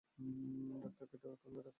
ডাক্তারকে এখানে ডাকো।